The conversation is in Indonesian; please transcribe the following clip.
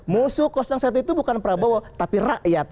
musuh satu itu bukan prabowo tapi rakyat